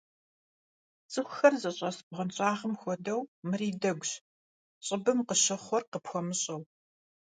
ЦӀыхухэр зыщӀэс бгъуэнщӀагъым хуэдэу, мыри дэгущ, щӀыбым къыщыхъур къыпхуэмыщӀэу.